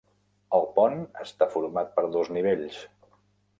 El pont està format per dos nivells.